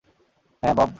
হ্যাঁ, বব।